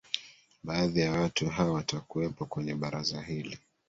baadhi ya watu hao watakuwepo kwenye baraza hili